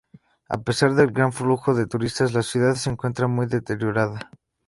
A pesar del gran flujo de turistas, la ciudad se encuentra muy deteriorada.